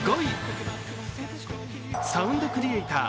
サウンドクリエイター